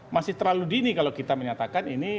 masih terlalu dini kalau kita menyatakan ini